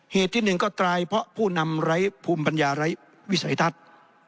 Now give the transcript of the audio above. เหตุที่หนึ่งก็ตายเพราะผู้นำไร้ภูมิปัญญาไร้วิสัยทัศน์